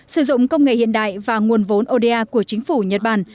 sử dụng công nghệ hiện đại và nguồn vốn oda của chính phủ nhật bản